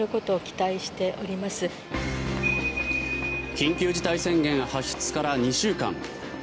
緊急事態宣言発出から２週間。